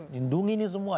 lindungi ini semua